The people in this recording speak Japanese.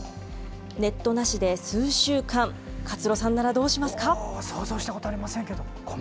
ネットなしで数週間、勝呂さんならどうしますか？